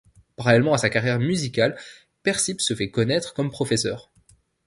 Parallèlement à sa carrière musicale, Persip se fait connaître comme professeur.